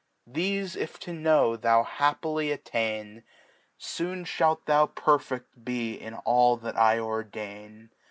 Thefe if to know thou happily attain. Soon ihdt thou perfed be in all that I ordain.